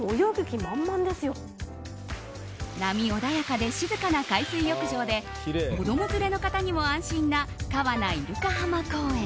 波穏やかで静かな海水浴場で子供連れの方にも安心な川奈いるか浜公園。